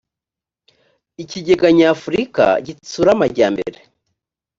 ikigega nyafurika gitsura amajyambere.